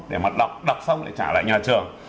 để mà đọc xong để trả lại nhà trường